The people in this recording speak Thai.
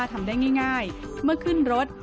ทำได้ง่ายเมื่อขึ้นรถ